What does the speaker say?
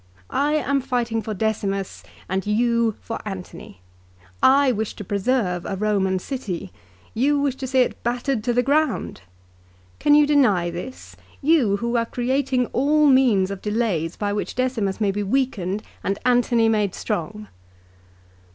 "I am fighting for Decimus and you for Antony. I wish to preserve a Eoman city ; you wish to see it battered to the ground. Can you deny this, you who are creating all means of delays by which Decimus may be weakened and Antony made strong